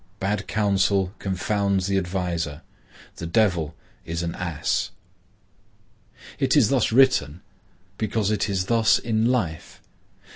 —Bad counsel confounds the adviser.—The Devil is an ass. It is thus written, because it is thus in life.